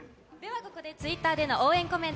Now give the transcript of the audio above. ここでＴｗｉｔｔｅｒでの応援コメント